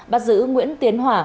bác giữ nguyễn tiến hòa